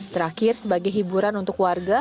terakhir sebagai hiburan untuk warga